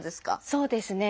そうですね。